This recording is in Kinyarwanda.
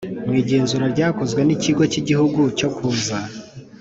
mu igenzura ryakozwe n Ikigi cy Igihugu cyo kuza